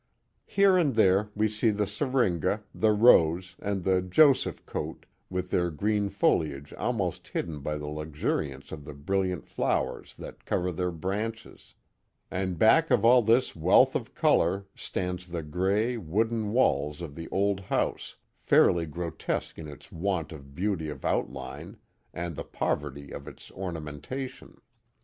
Here and there we see the syringa, the rose, and the Joseph coat, with their green foliage almost hidden by the luxuriance of the brilliant flowers that cover their branches. And back of all this wealth of color stands the gray, wooden walls of the old house, fairly gro tesque in its want of beauty of outline, and the poverty of its ornamentation.